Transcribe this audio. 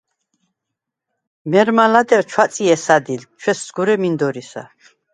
მე̄რმა ლადეღ ჩვაწჲე სადილდ, ჩვესსგურე მინდორისა.